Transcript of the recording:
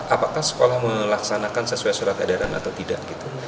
apakah sekolah melaksanakan sesuai surat edaran atau tidak gitu